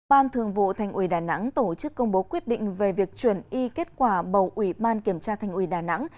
ban thường vụ thành ủy đà nẵng tổ chức công bố quyết định về việc chuyển y kết quả bầu ủy ban kiểm tra thành ủy đà nẵng